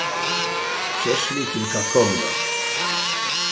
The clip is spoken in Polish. "Przeszli kilka komnat."